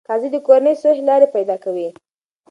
قاضي د کورني صلحې لارې پیدا کوي.